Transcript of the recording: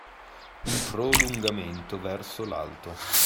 Il prolungamento verso l’alto